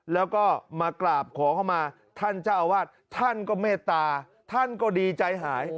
แล้วก็มากราบขอเข้ามาท่านเจ้าอาวาสท่านก็เมตตาท่านก็ดีใจหาย